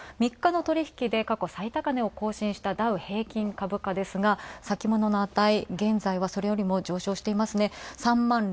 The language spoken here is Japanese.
３日の取引で過去最高値を更新したダウ平均株価ですが先物の値、現在はそれよりも上昇。